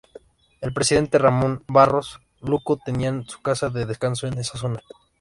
El Presidente Ramón Barros Luco tenía su casa de descanso en esa zona.